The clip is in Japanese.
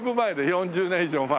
４０年以上前。